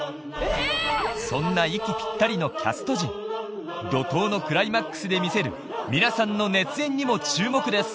そんな息ピッタリのキャスト陣怒濤のクライマックスで見せる皆さんの熱演にも注目です